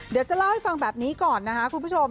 เดี๋ยวจะเล่าให้ฟังแบบนี้ก่อนนะคะคุณผู้ชม